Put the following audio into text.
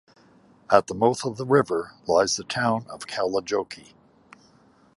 At the mouth of the river, lies the town of Kalajoki.